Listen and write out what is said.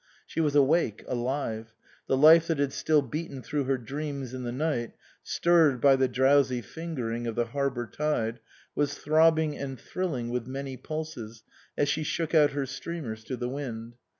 She was awake, alive ; the life that had still beaten through her dreams in the night, stirred by the drowsy fingering of the harbour tide, was throbbing and thrilling with many pulses as she shook out her streamers to the wind.